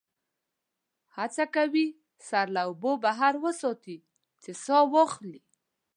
هڅه کوي سر له اوبو بهر وساتي چې سا واخلي.